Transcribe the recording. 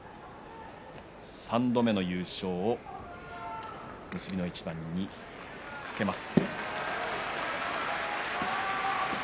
３度目の優勝を結びの一番に懸けます。